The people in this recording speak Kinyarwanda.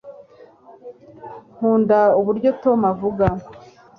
nkunda uburyo tom avuga